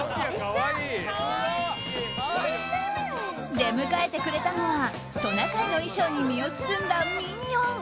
出迎えてくれたのはトナカイの衣装に身を包んだミニオン。